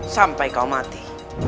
sampai kau mati